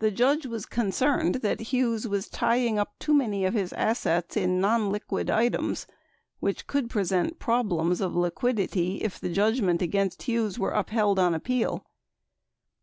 The judge was concerned that Hughes was tying up too many of his assets in nonliquid items, which could present problems of liquidity if the judgment against Hughes were upheld on appeal.